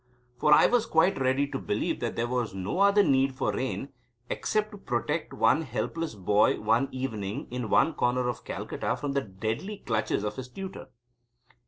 For I was quite ready to believe that there was no other need for rain except to protect one helpless boy one evening in one corner of Calcutta from the deadly clutches of his tutor.